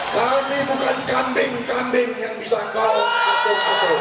kami bukan kambing kambing yang bisa kau atur atur